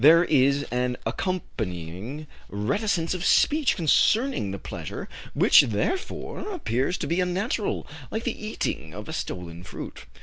There is an accompanying reticence of speech concerning the pleasure, which, therefore, appears to be unnatural, like the eating of stolen fruit.